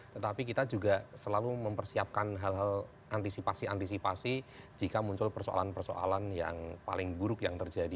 tetapi kita juga selalu mempersiapkan hal hal antisipasi antisipasi jika muncul persoalan persoalan yang paling buruk yang terjadi